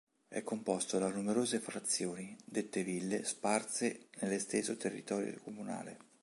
È composto da numerose frazioni, dette Ville, sparse nell'esteso territorio comunale.